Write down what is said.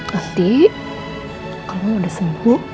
nanti kalau udah sembuh